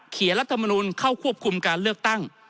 รัฐมนุนเข้าควบคุมการเลือกตั้ง